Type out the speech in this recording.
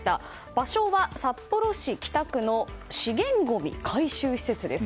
場所は、札幌市北区の資源ごみ回収施設です。